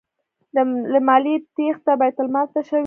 له مالیې تیښته بیت المال تشوي.